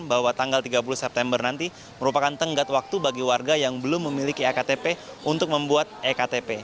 bahwa tanggal tiga puluh september nanti merupakan tenggat waktu bagi warga yang belum memiliki iktp